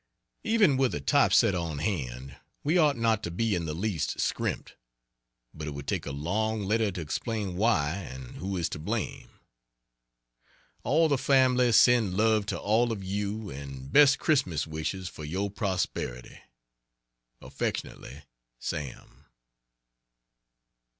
Even with a type setter on hand we ought not to be in the least scrimped but it would take a long letter to explain why and who is to blame. All the family send love to all of you and best Christmas wishes for your prosperity. Affectionately, SAM.